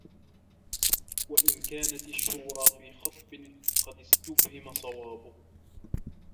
وَإِنْ كَانَتْ الشُّورَى فِي خَطْبٍ قَدْ اسْتُبْهِمَ صَوَابُهُ